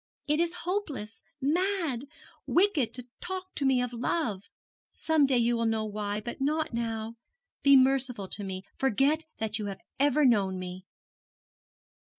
'It is hopeless, mad, wicked to talk to me of love: some day you will know why, but not now. Be merciful to me; forget that you have ever known me.'